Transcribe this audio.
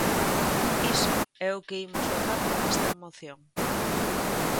Iso é o que imos votar con esta moción.